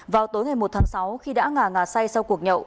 vào tối ngày một tháng sáu khi đã ngà ngà say sau cuộc nhậu